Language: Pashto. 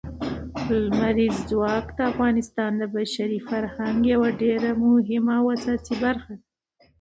لمریز ځواک د افغانستان د بشري فرهنګ یوه ډېره مهمه او اساسي برخه ده.